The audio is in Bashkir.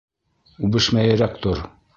Үбешмәйерәк тор!